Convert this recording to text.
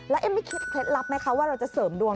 เอมมี่คิดเคล็ดลับไหมคะว่าเราจะเสริมดวง